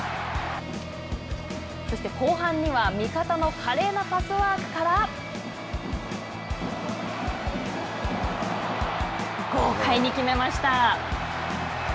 そして後半には味方の華麗なパスワークから豪快に決めました。